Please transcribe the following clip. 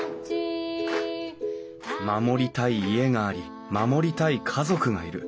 守りたい家があり守りたい家族がいる。